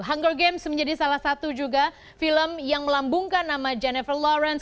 hunger games menjadi salah satu juga film yang melambungkan nama jennifer lawrence